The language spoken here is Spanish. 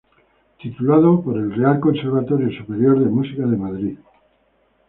Titulado por el Real Conservatorio Superior de Música de Madrid.